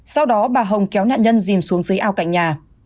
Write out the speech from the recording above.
sau đó bà hồng kéo nạn nhân dìm xuống dưới ao cạnh nhà